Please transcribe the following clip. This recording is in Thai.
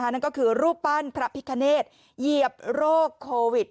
นั่นก็คือรูปปั้นพระพิคเนตเหยียบโรคโควิด